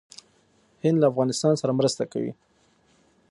هند له افغانستان سره مرسته کوي.